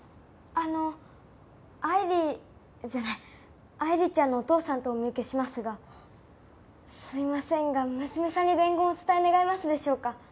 あの愛理じゃない愛理ちゃんのお父さんとお見受けしますがすいませんが娘さんに伝言をお伝え願えますでしょうか？